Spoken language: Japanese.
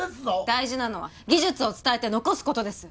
大事なのは技術を伝えて残すことです